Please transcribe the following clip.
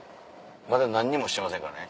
まだ何にもしてませんからね。